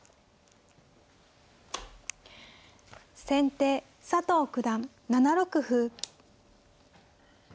先手佐藤九段７六歩。